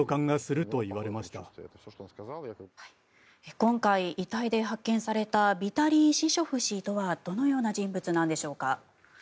今回、遺体で発見されたビタリー・シショフ氏とはどのような人物なんでしょうか。